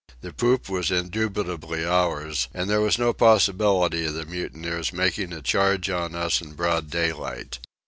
The poop was indubitably ours, and there was no possibility of the mutineers making a charge on us in broad daylight.